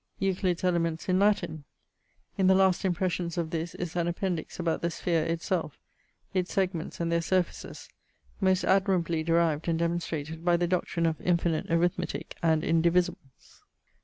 Euclid's Elements in Latin in the last impressions of this is an appendix about the sphaere itselfe, it's segments and their surfaces, most admirably derived and demonstrated by the doctrine of infinite arithmetique and indivisibles.